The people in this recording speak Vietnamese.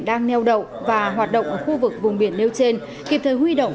đang neo đậu và hoạt động ở khu vực vùng biển nêu trên kịp thời huy động